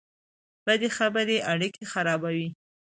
بدې خبرې اړیکې خرابوي